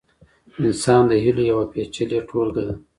انسان د هیلو یوه پېچلې ټولګه ده.